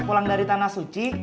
pulang dari tanah suci